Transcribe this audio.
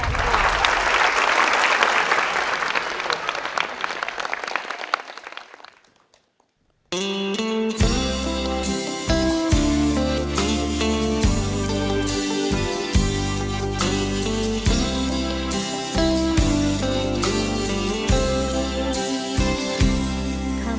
สวัสดีครับ